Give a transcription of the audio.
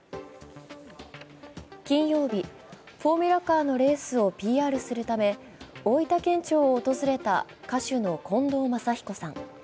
金曜日、フォーミュラカーのレースをＰＲするため大分県庁を訪れた歌手の近藤真彦さん。